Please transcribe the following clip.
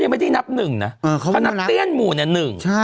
โทษทีน้องโทษทีน้อง